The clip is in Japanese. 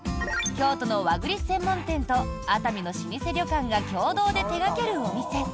京都の和栗専門店と熱海の老舗旅館が共同で手掛けるお店。